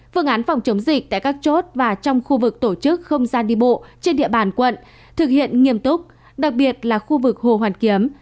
phương án phòng chống dịch tại các chốt và trong khu vực tổ chức không gian đi bộ trên địa bàn quận thực hiện nghiêm túc đặc biệt là khu vực hồ hoàn kiếm